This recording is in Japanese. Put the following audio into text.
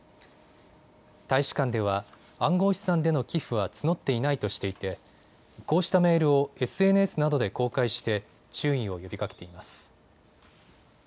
大使館では暗号資産での寄付は募っていないとしていてこうしたメールをＳＮＳなどで公開して注意を呼びかけています。